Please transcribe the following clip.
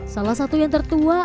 salah satu yang tertua